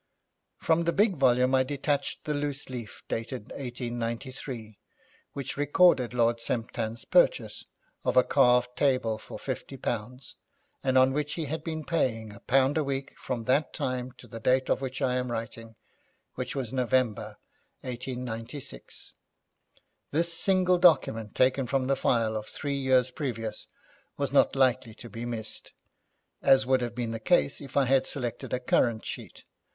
From the big volume I detached the loose leaf, dated 1893, which recorded Lord Semptam's purchase of a carved table for fifty pounds, and on which he had been paying a pound a week from that time to the date of which I am writing, which was November, 1896. This single document taken from the file of three years previous, was not likely to be missed, as would have been the case if I had selected a current sheet.